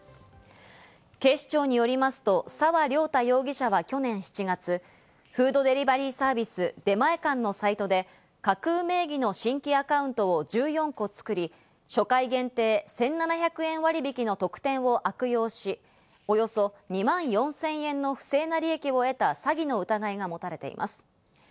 警視庁によりますと、沢涼太容疑者は去年４月、フードデリバリーサービス、出前館のサイトで架空名義の新規アカウントを１４個作り、初回限定１７００円割引の特典を悪用し、およそ２万４０００円の不正な利益を得た詐欺の疑いが持たれています。